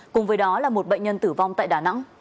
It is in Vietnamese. cùng với đó là một bệnh nhân tử vong tại đà nẵng